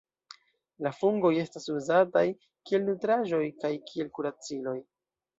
La fungoj estas uzataj kiel nutraĵoj kaj kiel kuraciloj.